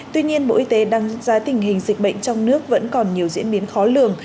tuy nhiên bộ y tế đánh giá tình hình dịch bệnh trong nước vẫn còn nhiều diễn biến khó lường